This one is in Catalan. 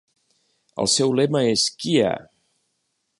El seu lema és Kya!